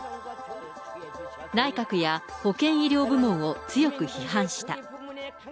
内閣や保険医療部門を強く批判した。